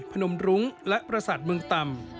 พนมรุ้งและประสาทเมืองต่ำ